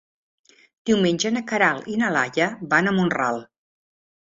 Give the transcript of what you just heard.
Diumenge na Queralt i na Laia van a Mont-ral.